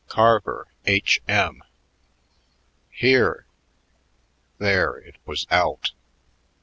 "Carver, H.M." "Here!" There! it was out!